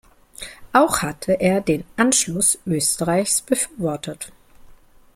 Auch hatte er den „Anschluss“ Österreichs befürwortet.